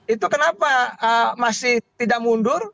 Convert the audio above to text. itu kenapa masih tidak mundur